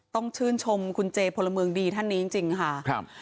ต้องชื่นชมคุณเจพลเมืองดีท่านนี้จริงค่ะครับ